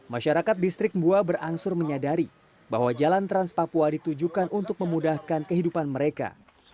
masyarakat distrik mbua berangsur menyadari bahwa jalan trans papua ditujukan untuk memudahkan kehidupan mereka